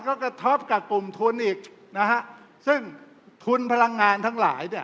ก็กระทบกับกลุ่มทุนอีกนะฮะซึ่งทุนพลังงานทั้งหลายเนี่ย